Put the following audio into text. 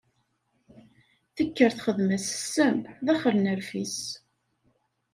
Tekker texdem-as ssem s daxel n rfis.